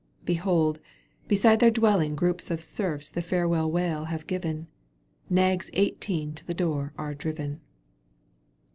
Behold 1 beside their dwelling groups Of serfs the farewell wail have given. Nags eighteen to the door are driven.